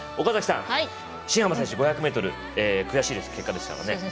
岡崎さん、新濱選手５００ｍ悔しい結果でしたよね。